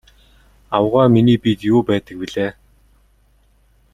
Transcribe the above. Авгай миний биед юу байдаг билээ?